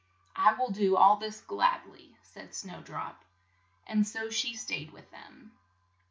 "I will do all this glad ly," said Snow drop, and so she stayed with them.